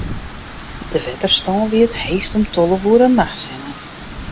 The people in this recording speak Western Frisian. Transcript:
De wetterstân wie it heechst om tolve oere nachts hinne.